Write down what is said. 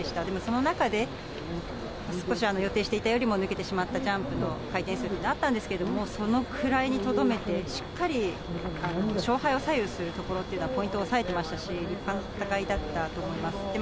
でもその中で少し予定していたよりも抜けてしまったジャンプの回転数があったんですけれども、そのくらいにとどめて、しっかり勝敗を左右するところというのは、ポイントを押さえてましたし、立派な戦いだったと思います。